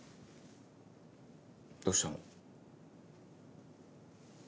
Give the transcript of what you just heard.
どうしたの？